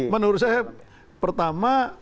menurut saya pertama